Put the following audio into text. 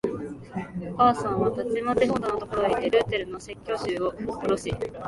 お母さんはたちまち本棚のところへいって、ルーテルの説教集をおろし、